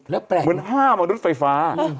เหมือนห้ามอรุณไฟฟ้า